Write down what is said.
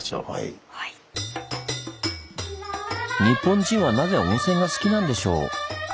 日本人はなぜ温泉が好きなんでしょう？